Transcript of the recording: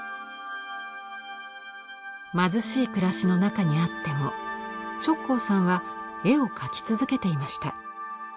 貧しい暮らしの中にあっても直行さんは絵を描き続けていました。